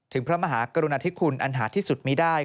พระมหากรุณาธิคุณอันหาที่สุดมีได้